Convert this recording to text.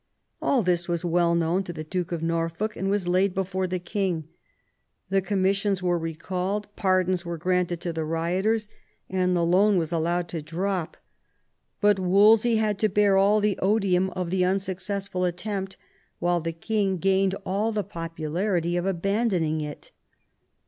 All this was well known to the Duke of Norfolk, and was laid before the king. The commissions were recalled, pardons were granted to the rioters, mi the loan wa« VII RENEWAL OF PEACE 115 allowed to drop. But Wolsey had to bear all the odium of the unsuccessful attempt, while the king gained all the popularity of abandoning it.